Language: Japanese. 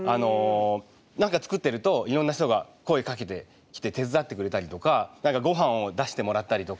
何か作ってるといろんな人が声かけてきて手伝ってくれたりとかごはんを出してもらったりとか。